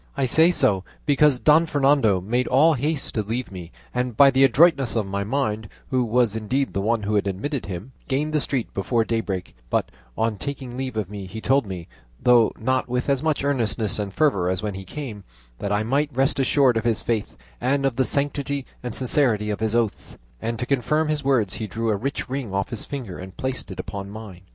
I say so because Don Fernando made all haste to leave me, and by the adroitness of my maid, who was indeed the one who had admitted him, gained the street before daybreak; but on taking leave of me he told me, though not with as much earnestness and fervour as when he came, that I might rest assured of his faith and of the sanctity and sincerity of his oaths; and to confirm his words he drew a rich ring off his finger and placed it upon mine.